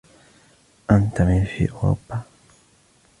أنت في أوروبا!